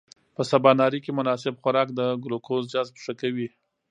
په سباناري کې مناسب خوراک د ګلوکوز جذب ښه کوي.